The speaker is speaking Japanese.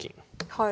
はい。